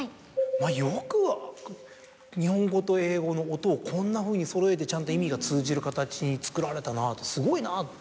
よく日本語と英語の音をこんなふうにそろえてちゃんと意味が通じる形に作られたなぁとすごいなぁと。